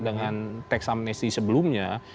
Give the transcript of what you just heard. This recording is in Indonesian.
dengan tax amnesty sebelumnya